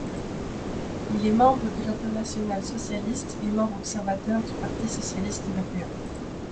Il est membre de l'Internationale socialiste et membre observateur du Parti socialiste européen.